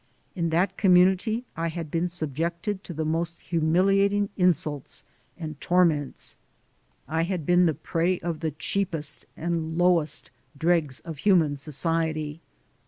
In that community I had been subjected to the most humiliating insults and torments. I had been 136 THE SOUL OF AN IMMIGRANT the prey of the cheapest and lowest dregs of human society.